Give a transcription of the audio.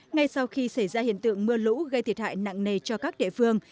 ngay sau khi xảy ra hiện tượng mưa lũ gây thiệt hại nặng nề cho các địa phương